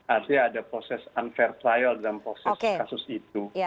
artinya ada proses unfair trial dalam proses kasus itu